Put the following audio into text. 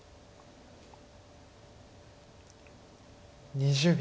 ２０秒。